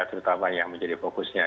terutama yang menjadi fokusnya